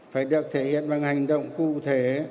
phải được thể hiện bằng hành động cụ thể